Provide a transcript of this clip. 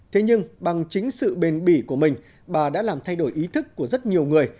thế nhưng bằng chính sự bền bỉ của mình bà đã làm thay đổi ý thức của rất nhiều người